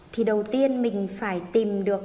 thì đầu tiên mình phải tìm được